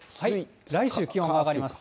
来週気温が上がります。